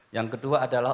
yang kedua adalah